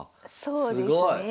そうですね。